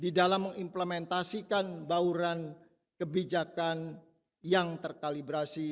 di dalam mengimplementasikan bauran kebijakan yang terkalibrasi